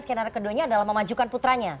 skenario keduanya adalah memajukan putranya